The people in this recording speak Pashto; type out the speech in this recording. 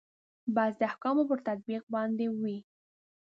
بحث د احکامو پر تطبیق باندې وي.